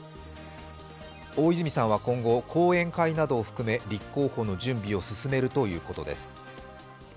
大泉さんは今後、後援会などを含め立候補の準備を進めるということです。